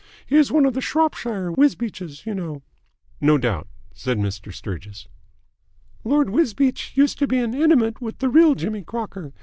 He is one of the Shropshire Wisbeaches, you know." "No doubt," said Mr. Sturgis. "Lord Wisbeach used to be intimate with the real Jimmy Crocker.